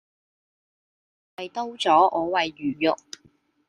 人為刀俎我為魚肉